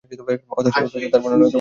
অথচ তার বর্ণনা অগ্রহণযোগ্য।